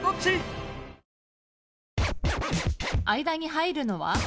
間に入るのは？